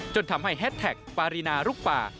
จนทำให้แฮสแท็กปารีนาลุกป่า